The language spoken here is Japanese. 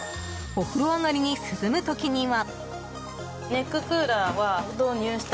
お風呂上がりに涼む時には。